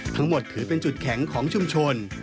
ถือเป็นจุดแข็งของชุมชน